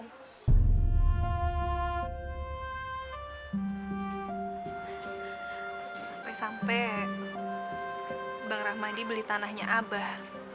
sampai sampai bang rahmadi beli tanahnya abah